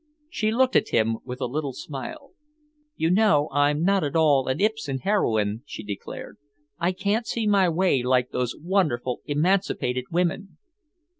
She looked at him with a little smile. "You know, I'm not at all an Ibsen heroine," she declared. "I can't see my way like those wonderful emancipated women."